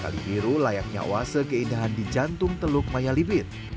kali biru layaknya oase keindahan di jantung teluk maya libit